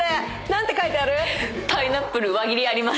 何て書いてある？